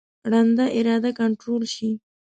ړنده اراده کنټرول شي.